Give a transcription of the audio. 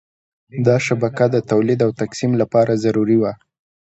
دا شبکه د تولید او تقسیم لپاره ضروري وه.